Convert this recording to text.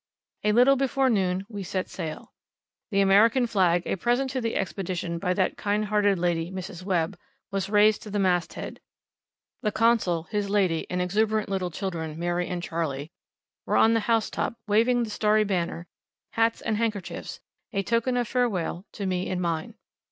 A little before noon we set sail. The American flag, a present to the Expedition by that kind hearted lady, Mrs. Webb, was raised to the mast head; the Consul, his lady, and exuberant little children, Mary and Charley, were on the housetop waving the starry banner, hats, and handkerchiefs, a token of farewell to me and mine.